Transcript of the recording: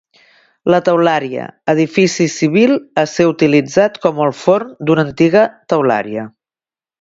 La teularia: edifici civil a ser utilitzat com el forn d'una antiga teularia.